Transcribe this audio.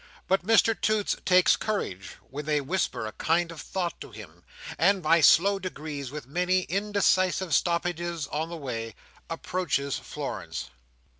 But Mr Toots takes courage, when they whisper a kind thought to him; and by slow degrees and with many indecisive stoppages on the way, approaches Florence.